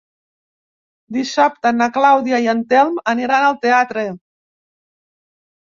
Dissabte na Clàudia i en Telm aniran al teatre.